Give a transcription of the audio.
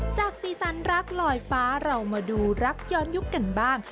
สีสันรักลอยฟ้าเรามาดูรักย้อนยุคกันบ้าง